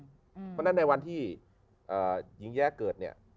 เพราะฉะนั้นในวันที่หญิงแย้เกิดเนี่ย